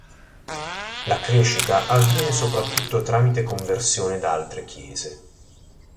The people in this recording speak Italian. La crescita avviene soprattutto tramite conversione da altre Chiese.